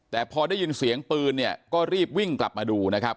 แต่พอได้ยินเสียงปืนเนี่ยก็รีบวิ่งกลับมาดูนะครับ